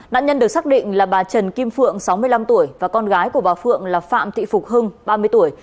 nạn nhân được xác định là bà trần kim phượng sáu mươi năm tuổi và con gái của bà phượng là phạm thị phục hưng ba mươi tuổi